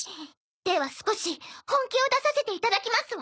では少し本気を出させていただきますわ。